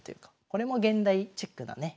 これも現代チックなね